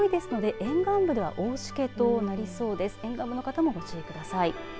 沿岸部の方も、ご注意ください。